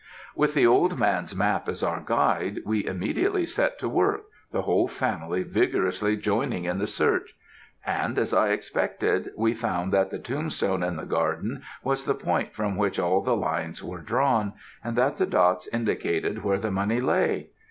"With the old man's map as our guide, we immediately set to work the whole family vigorously joining in the search; and, as I expected, we found that the tombstone in the garden was the point from which all the lines were drawn, and that the dots indicated where the money lay.